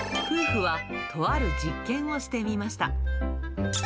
夫婦はとある実験をしてみました。